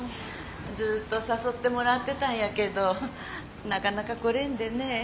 ずっと誘ってもらってたんやけどなかなか来れんでねぇ。